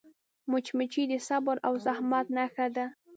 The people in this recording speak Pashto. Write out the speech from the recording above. مچمچۍ د صبر او زحمت نښه ده